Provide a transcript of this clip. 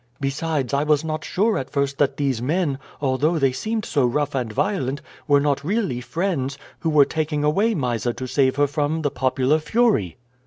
Besides, I was not sure at first that these men, although they seemed so rough and violent, were not really friends, who were taking away Mysa to save her from the popular fury."